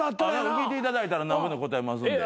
聞いていただいたら何ぼでも答えますんで。